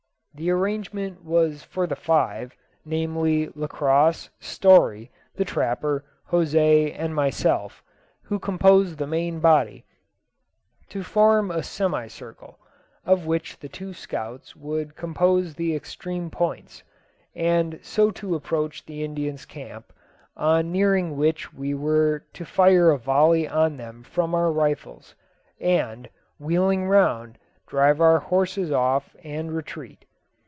The arrangement was for the five (namely, Lacosse, Story, the Trapper, José, and myself) who composed the main body, to form a semicircle, of which the two scouts would compose the extreme points, and so to approach the Indians' camp, on nearing which we were to fire a volley on them from our rifles, and, wheeling round, drive our horses off and retreat.